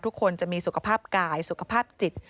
ทุกคนจะมีสุขภาพกายสุขภาพจิต